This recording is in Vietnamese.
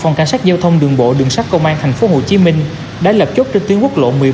phòng cảnh sát giao thông đường bộ đường sát công an tp hcm đã lập chốt trên tuyến quốc lộ một mươi bốn